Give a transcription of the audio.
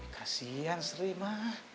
kasian sri ma